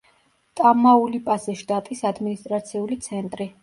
ტამაულიპასის შტატის ადმინისტრაციული ცენტრი.